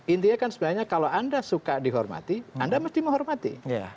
intinya kan sebenarnya kalau anda suka dihormati anda mesti menghormati